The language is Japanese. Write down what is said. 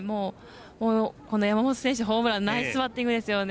山本選手のホームランナイスバッティングですよね。